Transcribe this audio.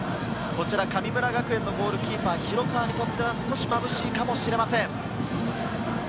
神村学園のゴールキーパー・広川にとっては少し、まぶしいかもしれません。